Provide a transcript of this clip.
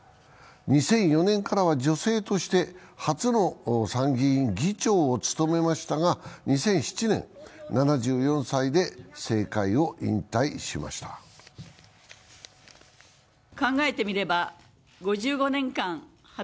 ２００４年からは女性として初の参議院議長を務めましたが、２００７年、７４歳で政界を引退しました３月１３日の月曜日です。